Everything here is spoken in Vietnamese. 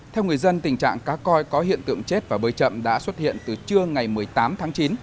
theo người dân tình trạng cá coi có hiện tượng chết và bơi chậm đã xuất hiện từ trưa ngày một mươi tám tháng chín